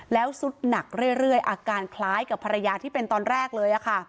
แล้วสุดหนักเรื่อยอาการคล้ายกับภรรยาที่เป็นตอนแรกเลย